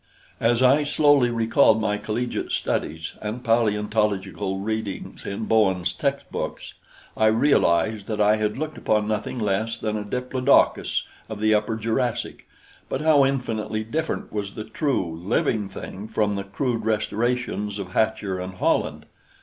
As I slowly recalled my collegiate studies and paleontological readings in Bowen's textbooks, I realized that I had looked upon nothing less than a diplodocus of the Upper Jurassic; but how infinitely different was the true, live thing from the crude restorations of Hatcher and Holland!